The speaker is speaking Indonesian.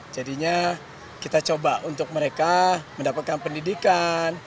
jadinya kita coba untuk mereka mendapatkan pendidikan